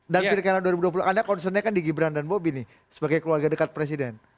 dan pilkada dua ribu dua puluh anda concern nya kan di gibran dan bobby nih sebagai keluarga dekat presiden